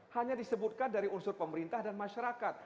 hanya disebutkan dari unsur pemerintah dan masyarakat